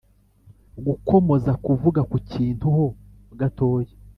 gukomoza: kuvuga ku kintu ho gatoya.